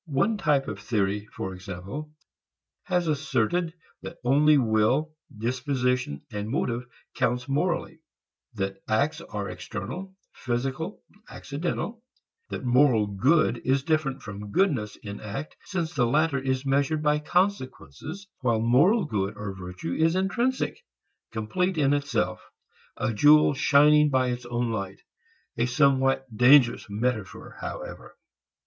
One type of theory, for example, has asserted that only will, disposition, motive counts morally; that acts are external, physical, accidental; that moral good is different from goodness in act since the latter is measured by consequences, while moral good or virtue is intrinsic, complete in itself, a jewel shining by its own light a somewhat dangerous metaphor however.